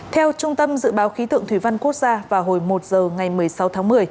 theo trung tâm dự báo khí tượng thủy văn quốc gia vào hồi một giờ ngày một mươi sáu tháng một mươi